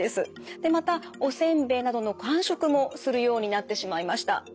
でまたお煎餅などの間食もするようになってしまいました。